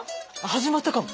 始まったかも。